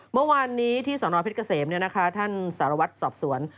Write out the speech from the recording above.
เมื่อวานนี้ที่สนเพชรเกษมท่านสารวัตรสอบสวน